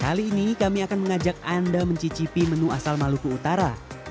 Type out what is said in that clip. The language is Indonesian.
kali ini kami akan mengajak anda mencicipi menu asal maluku utara